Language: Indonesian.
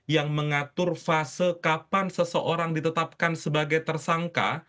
yang mengatur fase kapan seseorang ditetapkan sebagai tersangka